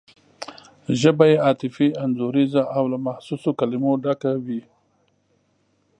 ژبه یې عاطفي انځوریزه او له محسوسو کلمو ډکه وي.